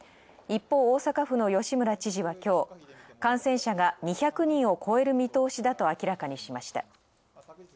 一方、大阪府の吉村知事は、今日感染者が２００人を超える見通しだと明らかにしました。